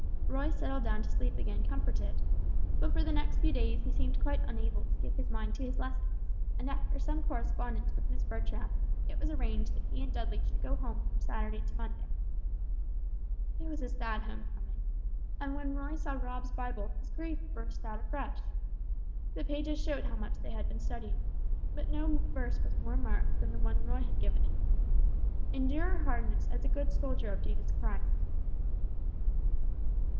Roy settled down to sleep again comforted; but for the next few days he seemed quite unable to give his mind to his lessons, and after some correspondence with Miss Bertram, it was arranged that he and Dudley should go home from Saturday to Monday. It was a sad home coming, and when Roy saw Rob's Bible his grief burst out afresh. The pages showed how much they had been studied, but no verse was more marked than the one Roy had given him. "Endure hardness as a good soldier of Jesus Christ."